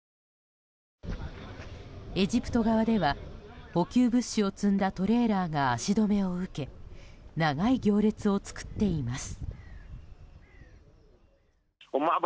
エジプト側では補給物資を積んだトレーラーが足止めを受け長い行列を作っています。